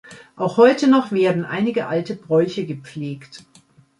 Auch heute noch werden einige alte Bräuche gepflegt.